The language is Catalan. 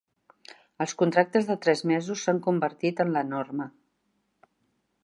Els contractes de tres mesos s'han convertit en la norma.